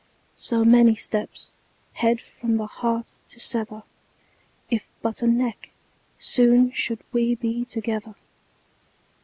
So many steps, head from the heart to sever, If but a neck, soon should we be together.